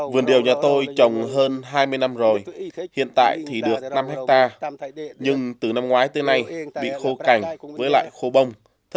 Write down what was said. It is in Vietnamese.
vườn điều nhà tôi trồng hơn hai mươi năm rồi hiện tại thì được năm hectare nhưng từ năm ngoái tới nay bị khô cành với lại khô bông